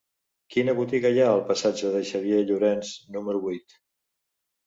Quina botiga hi ha al passatge de Xavier Llorens número vuit?